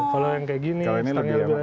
kalau yang kayak gini setangnya lebih lebar lebih